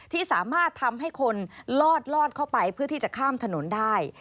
ที่สามารถทำให้คนลอดเข้าไปเพื่อที่จะข้ามถนนได้